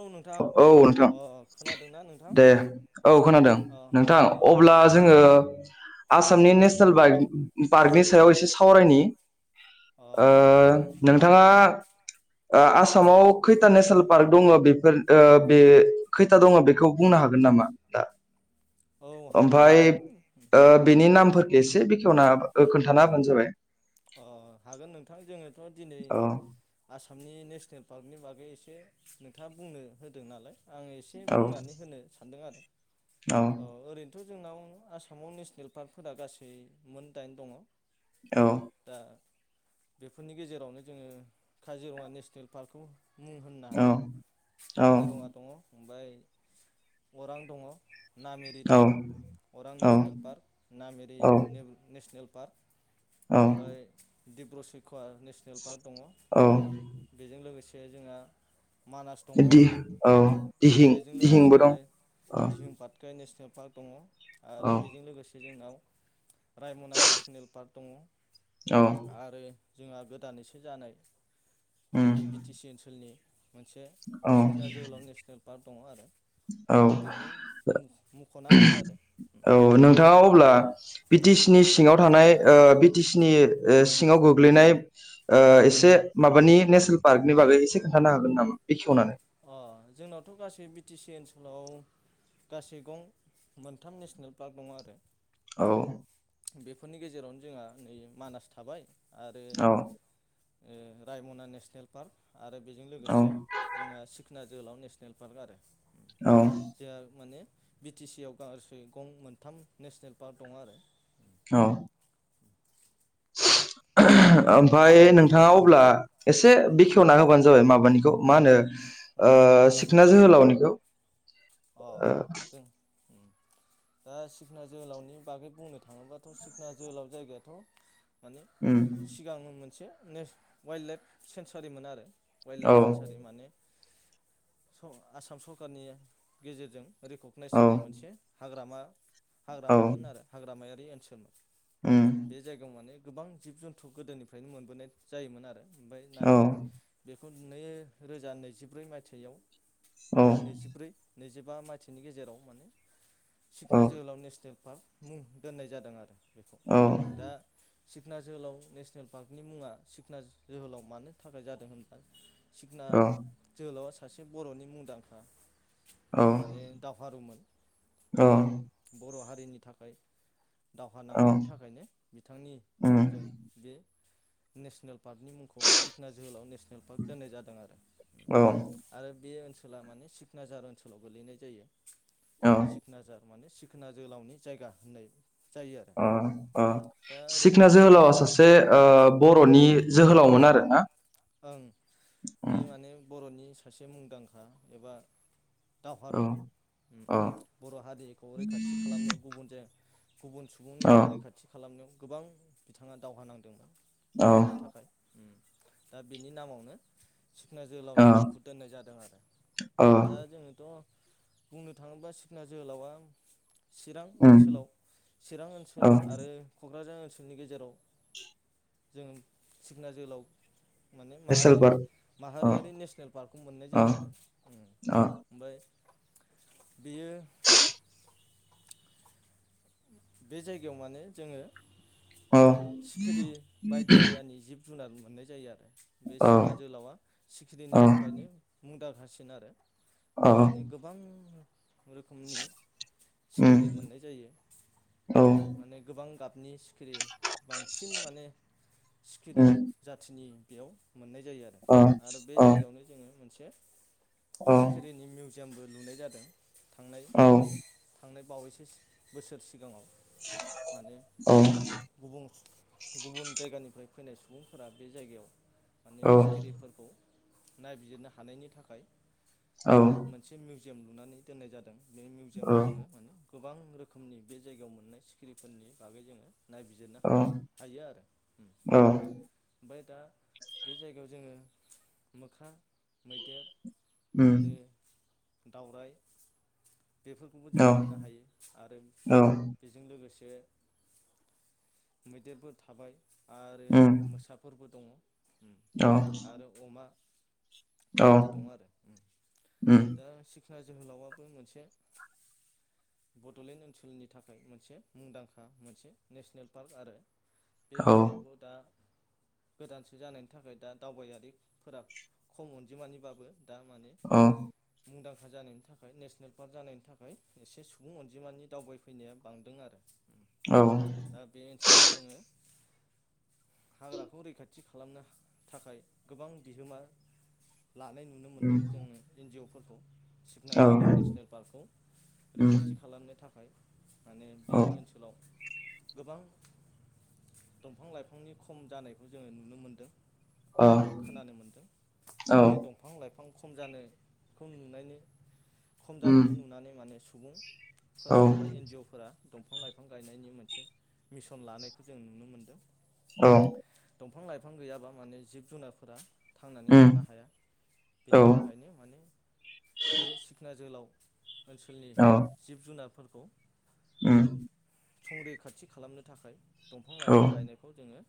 औ नोंथां औ नोंथां अ खोनादोंना नोंथां दे औ खोनादों अ नोंथां अ अब्ला जोङो उम आसामनि नेसनेल बाइकनि पार्कनि सायाव एसे सावरायनि अ ओ नोंथाङा ओ आसामाव खैथा नेसनेल पार्क दङ बेफो ओ बे खैथा दङ बेखौ बुंनो हागोन नामा दा औ हागोन ओमफाय नोंथां ओ बेनि नामफोरखो एसे बेखेवना खोन्थाना होबानो जाबाय अ हागोन नोंथां जोङो दिनै औ आसाम आसामनि नेसनेल पार्कनि बागै एसे नोंथाङा बुंनो होदों नालाय आं एसे औ बुंनानै होनो सानदों आरो। औ दाथ' जोंनाव आसामाव नेसनेल पार्कफोरा गासै मोन दाइन दङ। औ दा बेफोरनि गेजेरावनो जोङो काजिरङा नेसनेल पार्कखौ मुं होननो हायो औ काजिरङा दङ ओमफ्राय अरां दङ नामेरि दङ अरां नेसनेल पार्क नामेरि औ नेसनेल भार्ग ओमफ्राय औ दिब्रसि कव नेसनेल पार्क दङ औ बेजों लोगोसे जोंहा मानास दङ दि औ दिहिं बेजों दिहिंबो लोगोसे दं आरो औ दिहोम पातखाय नेसनेल भार्ग दङ औ आरो बेजों लोगोसे जोंनाव रायमना नेसनेल पार्क दङ औ आरो जोंहा गोदानैसो जानाय उम जोंनि बि टि सि ओनसोलनि मोनसे औ सिखना जोहोलाव नेसनेल पार्क दङ आरो औ जों बेखौ मख'नो हायो आरो औ नोंथाङा अब्ला बिटि सि नि सिङाव थानाय ओ बि टि सि नि सिङाव गोग्लैनाय एसे माबानि नेसनेल पार्कनि बागै एसे खोन्थानो हागोन नामा बे अ जोंनावथ' गासै बि टि सि ओनसोल हेलौ गासै गं मोनथाम नेसनेल पार्क दङ आरो औ बेफोरनि गेजेरावनो जोंहा नै मानास थाबाय। आरो औ रायमना नेसनेल पार्क आरो बेजों औ लोगोसे सिखना जोहोलाव नेसनेल पार्क आरो औ जोंहा माने बि टि सि आव गासै गं मोनथाम नेसनेल पार्क दं आरो औ। ओमफफ्राय नोंथाङा अब्ला एसे उम बेखेवना होबानो जाबाय माब खामानिखौ मा होनो अ सिखना जोहोलाव निखौ? अ ओ जों दा सिखना जोहोलावनि बागै बुंनो थाङोबाथ' सिखना जोहोलाव जायगायाथ' माने उम सिगांनो मोनसे नेस वाइल्ड लाइफ सेन्सारिमोन आरो वाइल्ड औ लाइफ सेन्सारि माने आसाम सरखारनि गेजेरजों रिकगनाइस औ जानाय मोनसे हाग्रामा औ हाग्रामामोन आरो हाग्रामाया बे ओनसोल उम बे जायगायाव माने गोबां जिब जुथु गोदोनिफ्रायनो मोनबोनाय जायोमोन आरो ओमफ्राय औ नाथाय बे नै रोजा नैजिब्रै मायथाइयाव औ एबा नैजिब्रै नैजिबा मायथनि गेजेराव माने औ सिखना जोहोलाव नेसनेल मुं दोननाय जादों आरो। बेखौ औ दा सिखना जोहोलाव नेसनेल पार्कनि मुङा सिखना जोहोलाव मानो थाखाय जादों होनब्ला सिखना औ जोहोलावा सासे बर'नि मुंदांखा औ माने दावहारुमोन औ बियो बर' हारि रिनि थाखाय दावहा औ नांनायनि थाखायनो बिथांनि उम मुंजों बे नेसनेल पार्कनि मुंखौ सिखना जोहोलाव नेसनेल पार्क दोननाय जादों आरो ओम औ आरो बे ओन सोला माने सिख नाजार ओनसोलाव गोलैनाय जायो। औ सिखनाजार माने सिखोना जोहोलावनि जायगा होननाय जायो आरो अ अ दा ओरैनो सिखना जोङो जोहोलावा सासे ओ बर'नि जोहोलावमोन आरो ना। ओं ओम बियो माने बर'नि सासे मुंदांखा एबा औ दावहारुमोन ओम औ बर' हारिखौ रैखाथि खालामनायाव गुबुनजों गुबुन सुबुंनिफ्राय रैखाथि खालामनायाव। गोबां बिथाङा दावहा नांदोंमोन औ हारिनि थाखाय ओम। दा बेनि नामावनो सिखना जोहोलावनि औ मुंखौ दोननाय जादों आरो। औ दा जोङोथ' अ बुंनो थाङोब्ला सिखना जोहोलावा चिरां उम ओनसोलाव चिरां ओनसोल औ आरो क'क्राझार ओ जोंनि गेजेराव जों सिखना जोहोलाव माने नेसनेल माहारि पार्क औ माहारियारि नेसनेल पार्कखौ मोननाय जायो आरो। अ। ओमफ्राय बेयो। बे जायगायाव माने जोङो औ सिखिरि बायदि मैयानि जिब जुनाद मोननाय जायो आरो। बे औ सिखना जोहावा औ सिखिरिनि थाखायनो मुंदांखा सिन आरो। बेयाव माने गोबां। [unintelligible] रोखोमनि उम सिखिरि मोननाय जायो। अ औ माने गोबां थां गाबनि सिखिरि बांसिन माने सिखिरि जाथिनि बेयाव मोननाय जायो आरो आरो बे औ जायगायावनो जोङो मोनसे औ सिखिरिनि मिउ जिआमबो लुनाय जादों। थांनाय औ थांनाय बावैसो सि बोसोर सिगाङाव माने औ गुबुन गुबुन जायगानिफ्राय फैनाय सुबुंफोरा बे जायगायाव माने सिखिरिफोरखौ नायबिजिरनो हानायनि थाखाय माने मोनसे मिउ जोम लुनानै दोननाय जादों। बे मिउजियामाव जोङो माने गोबां रो खोमनि बे जायगायाव मोननाय सिखिरिफोरनि बागै जोङो नायबिजिरनो हा- औ हायो आरो औ ओमफ्राय दा बे जायगायाव जोङो मोक्रा मैदेर उम आरो दावरावइ बेफोरखौबो औ जों मोननो हायो। आरो औ बे '' बे जों लोगोसे मैदेरबो थाबाय आरो उम मोसाफोरबो दंङ। ओम औ आरो अमा औ बायदि दं आरो ओम उम दा सिखना जोहोलावाबो मोनसे बड'लेण्ड ओनसोलनि थाखाय मोनसे मुंदांखा मोनसे नेसनेल पार्क आरो बे औ ओनसोलावबो दा गोदानसो जानायनि थाखाय दा दावबायारिफोरा खम अनजिमानिबाबो दा माने औ मुंदांखा जानायनि थाखाय नेसनेल पार्क जानायनि थाखाय एसे सु बुं अनजिमानि दावबायफैनाया बांदों आरो औ दा बे ओनसो सोलाव जोंङो हाग्राखौ रैखाथि खालामनो थाखाय गोबां बिहोमा लानाय नुनो मोन्दों उम जोंङो एन जि अ फोरखौ। सिखना औ जोहोलाव नेसनेल पार्कखौ उम खाथि खालामनो थाखाय माने बे औ ओनसोलाव गोबां दंफां लाइफांनि खम जानायखौ जोङो नुनो मोनदों। एबा अ खोनानो मोन्दों दा औ बे दंफां लाइफां खम जानो खौ नुनायनि खम उम जानायखौ नुनानै माने सुबुं फोरा औ एबा एन जि अ फोरा दंफां लाइफां गायनायनि मोनसे मिसन लानायखौ जों नुनो मोनदों। औ दंफां लाइफां गैयाबा माने जिब जुनारफोरा थांनानै उम औ उम थानो हाया बेनि थाखायनो माने बे सिखना जोहोलाव ओनसोलनि जिब जुनारफोरखौ संरैखाथि खालामनो थाखाय दंफां लाइफां गायनायखौ जोङो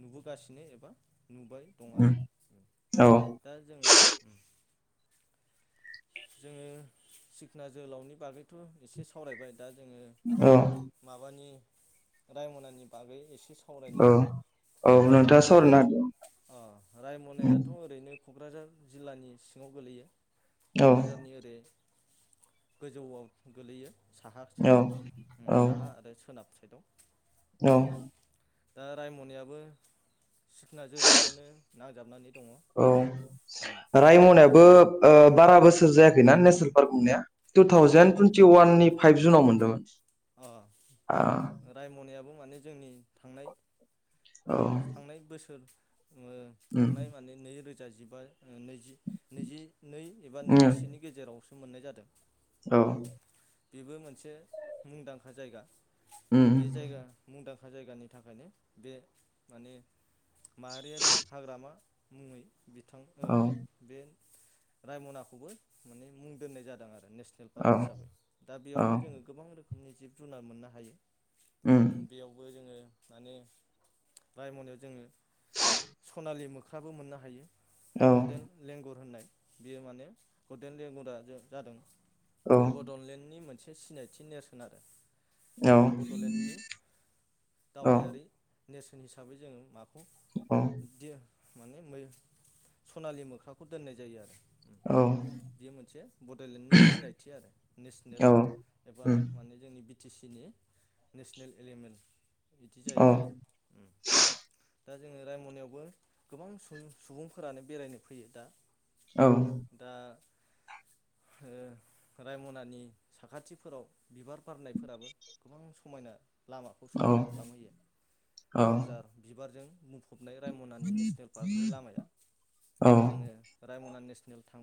नुबोगासिनो एबा नुबाय दं आरो। औ दा जोङो जोङो सिखना जोहोलावनि बागैथ' एसे सावरायबाय दा जोङो औ माबानि रायमनानि बागै एसे सा वरायनो औ सानदों। औ नोंथाङा सावरायनो हागोन अ उम रायमनायाथ' ओरैनो क'क्राझार जिल्लानि सिङाव गोलैयो। औ क'क्राझारनि ओरै गोजौआव गोलैयो। साहा औ साइदआव औ साहा आरो सोनाब सायडयाव औ दा रायमनायाबो सिखोना जोहोलावजोंनो नांजाबनानै दङ औ रायमनायाबो ओ बारा अ बोसोर जायाखै ना नेस [unintelligible] टु ओहो थावजेेन टुइन्टि वाननि फाइभ जुनाव मोनदोंमोन अ रायमनायाबो माने जोंनि थांनाय औ उम थांनाय बोसोर ङो थांनाय माने नै रो जा जिबा नैजि नैजि नै एबा उम नैजिसेनि गेजेराव मोननाय जादों औ बेबो मोनसे मुंदांखा जायगा उम बे जायगा मुंदां जायगानि थाखायनो बे माने माहारियारि हाग्रामा मुंङै बिथां ओ औ बे रायमनाखौबो माने मुं दोननाय जादों आरो नेस फार्क औ हिसाबै दा औ बेयावबो जोंङो गोबां रोखो मनि जिब जुनार मोननो हायो उम बेयावबो जोंङो माने रायमनायाव जोंङो सनालि मोख ख्राबो मोननो हायो औ गल्डेन लेंगुर होननाय बियो माने गल्देन लेंगुरा जे जादों औ बड'लेण्डनि मोन से सिनायथि नेरसोन आरो औ जों बड'लेण्डनि औ दावबायारि नेर्सन हिसाबै जोंङो मा उम औ दे माने मै सनालि मोख्राखौ दोननाय जायो आरो औ बे मोनसे बड'लेण्डनि सिनायथि आरो नेसनेल औ एबा उम माने जोंनि बि टि सि नि नेसनेल एलिमेन्ट बिदि औ जाहैबाय आरो दा जोंङो रायमनायावबो गोबां सुुबुं सुबुंफोरानो बेरायनो फैयो दा औ औ दा हो रायमनानि साखाथिफोराव बिबार बारनायफोराबो गोबां सम समायना लामाखौ औ उम औ समायना खालामहोयो आवजार औ बिबारजों मुं फबनाय रायमनानि नेसनेल पार्कनि लामाया जोङो रायमनानि नेसनेल थां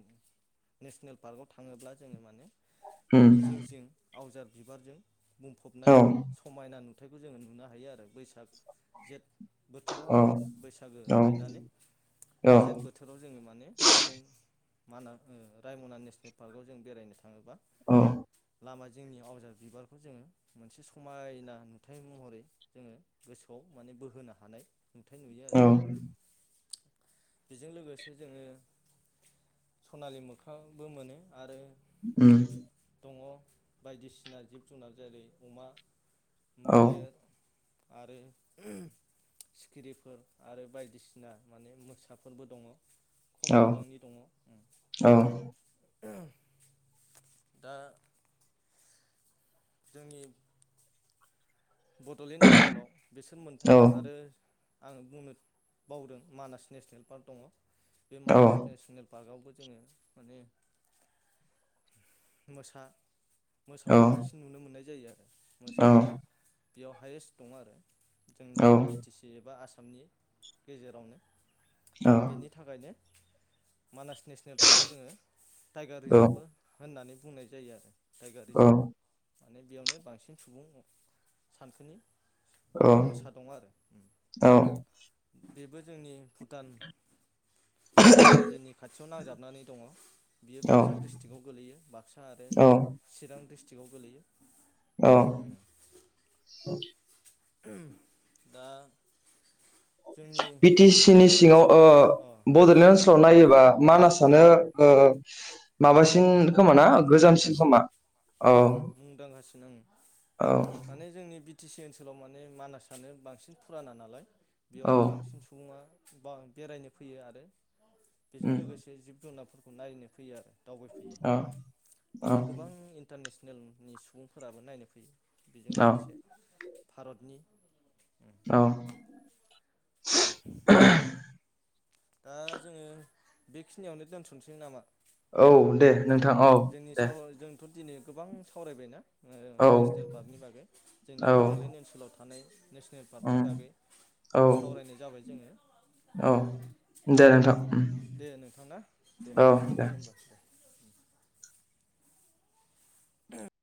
नेसनेल पार्कआव थाङोब्ला जोङो मान बिनि जिं जिं आवजार बिबारजों बुंफबनाय समायना नु थाइखौ जोङो नुनो हायो आरो बैसाग जेठ बोथोराव आरो बैसागो बायनानै जेथ बोथोराव जोङो माने बेजों माना ओ रायमना नेसनेल पार्कआव जों बेरायनो थाङोबा औ लामा जिंनि आवजार बिबारखौ जोङो मोनसे समायना नुथाय महरै जोङो गोसोआव माने बोहोनो हानाय नुथाय नुयो आरो। बेजों लोगोसे जोङो सनालि मोखाबो मोनो आरो उम दङ बायदिसिना जिब जुनार जेरै अमा मैदेर, आरो सिखिरिफोर आरो बायदिसिना माने मोसाफोरबो दङ। खम बिबांनि दङ। दा जोंनि बड'लेण्ड ओनसोलाव बिसोर मोनथाम आरो आं बुंनो बावदों मानास नेसनेल पार्क दङ। बे मानास फेसनेल पार्कआवबो जोङो माने मोसा मोसाखौ बांसिन नुनो मोननाय जायो आरो मोसायानो बेयाव हायेस्ट दं आरो। जोंनि बि टि सि एबा आसाम सामनि गेजेरावनो दा बेनि थाखायनो मानास नेसनेल पार्कआव जोङो टाइगार रिजार्भबो होननानै बुंनाय जायो आरो टाइगार रिजार्भ माने बेयावनो बांसिन सुबुं सानखोनि मोसा दङ आरो बेबो जोंनि भुटान भुटान रायजोनि खाथियाव नांजाब नानै दङ। बियो बाक्सा डिस्ट्रिकआव गोलैयो बाक्सा आरो चिरां डिस स्ट्रिकआव गोलैयो। अ दा जोंनि बि टि सि नि बड'लेण्ड सिङाव ओ ओनसोलाव अ बड'लेण्ड ओनसोलाव नायोबा मानासानो उम ओ माबासिन खोमाना गोजामसिन मुंदांखासिन खोमा औ ओं [unintelligible] औ माने जोंनि बि टि सि ओनसोलाव माने मानासानो बांसिन फुराना नालाय। औ बेयावनो बांसिन सुबुङा गोबां बेरायनो फैयो आरो बेजों उम लोगोसे जिब जुनारफोर खौ नायनो फैयो आरो दावबायफैयो औ औ बेयाव गोबां इन्टारनेसनेलनि सुबुंफोराबो नायनो फैयो। बेजों औ लोगोसे भारतनि औ [inaudible] दा जोङो बेखिनियावनो दोनथ'नोसै नामा? औ नोंथां दे नोंथां औ जोंनि दे। साव जोंथ' दिनै गोबां सावरायबाय ना ओ औ नेसनेल पार्कनि बागै जोंनि औ बड'लेण्ड ओनसोलाव माने नेसनेल पार्कनि उम बागै औ सावरायनाय जाबाय जोङो। औ दे नोंथां उम दे नोंथांना दे औ दे दोनथ'नोसै होनबा दे। [inaudible]